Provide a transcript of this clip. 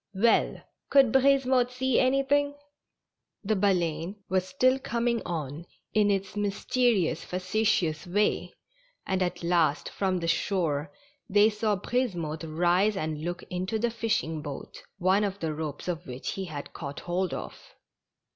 Well! could Brisemotte see anything? The Baleine still coming on, in its mysterious, facetious way, and at last, from the shore, they saw Brisemotte rise and look into the fishing boat, one of the ropes of which he had caught hold of.